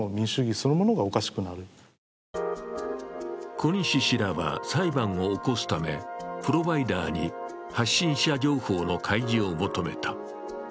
小西氏らは裁判を起こすため、プロバイダーに発信者情報の開示を求めた。